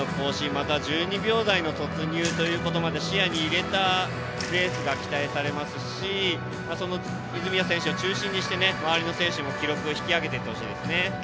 また、１２秒台の突入というところまで視野に入れたレースが期待されますしその泉谷選手を中心として周りの選手も記録を伸ばしてほしいです。